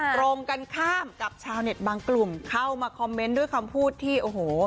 ตรงกันข้ามกับชาวเน็ตบางกลุ่มเข้ามาคอมเมนต์ด้วยคำพูดที่โอ้โห